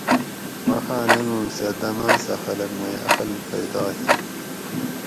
وخاۤں لنگوگ سہۤ دماۤ سہ خلق مئ اقل پیدا ہی